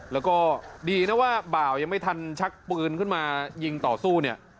แล้วก็ดีนะว่าบ่าวยังไม่ทันชักปืนขึ้นมายิงต่อสู้เนี่ย